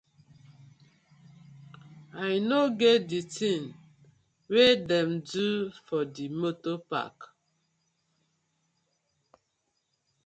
I no get di tin wey dem do for di motor park.